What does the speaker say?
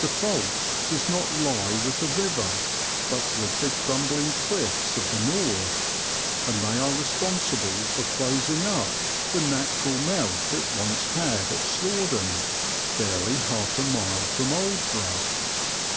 The fault does not lie with the river but with the crumbling cliffs of the north, and they are responsible for closing up the natural mouth it once had at Slaugden, barely half a mile from Aldeburgh.